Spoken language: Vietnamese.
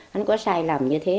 không có sai lầm như thế